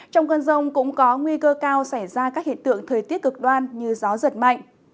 trong cơn rông cũng có nguy cơ cao xảy ra các hiện tượng thời tiết cực đoan như gió giật mạnh